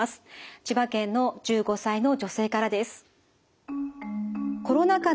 千葉県の１５歳の女性からです。